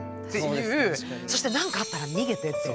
そして「何かあったら逃げて」って。